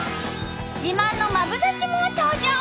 自慢のマブダチも登場！